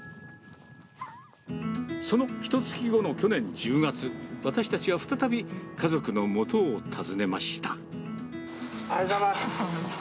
そのひとつき後の去年１０月、私たちは再び家族のもとを訪ねまおはようございます。